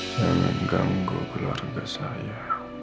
jangan ganggu keluarga saya